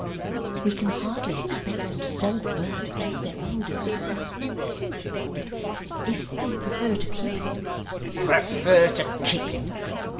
'We can hardly expect them to sell the bird, against their own desire,' she faltered. 'If they prefer to keep him ' 'Prefer to keep him!